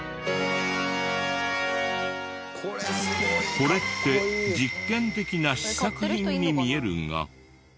これって実験的な試作品に見えるが。